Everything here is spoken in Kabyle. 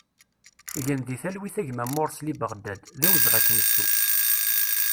Gen di talwit a gma Morsli Baɣdad, d awezɣi ad k-nettu!